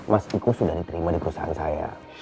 mas iko sudah diterima di perusahaan saya